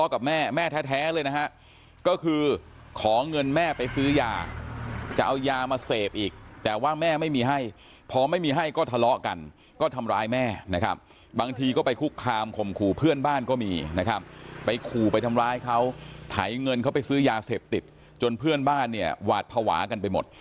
กินขึบเลยว่าเรื่องอะไรเสพยาติบยา